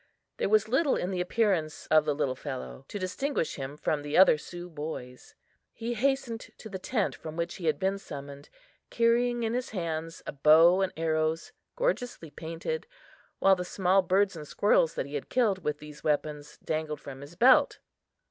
There was little in the appearance of the little fellow to distinguish him from the other Sioux boys. He hastened to the tent from which he had been summoned, carrying in his hands a bow and arrows gorgeously painted, while the small birds and squirrels that he had killed with these weapons dangled from his belt.